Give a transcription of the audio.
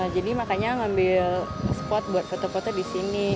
jadi makanya ngambil spot buat foto foto disini